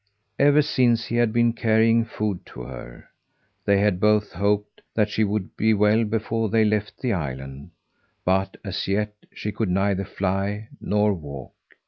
Ever since, he had been carrying food to her. They had both hoped that she would be well before they left the island, but, as yet, she could neither fly nor walk.